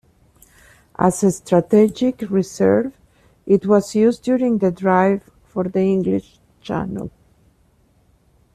As a strategic reserve it was used during the drive for the English Channel.